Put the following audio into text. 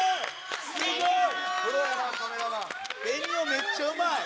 めっちゃうまい。